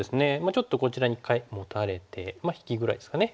ちょっとこちらに一回モタれて引きぐらいですかね。